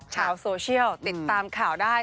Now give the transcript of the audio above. ชาวโซเชียลติดตามข่าวได้